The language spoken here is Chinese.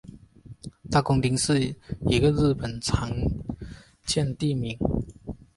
大工町是一个日本的常见地名。